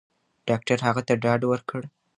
ډاکټر هغه ته ډاډ ورکړ.